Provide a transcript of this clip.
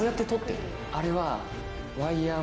あれは。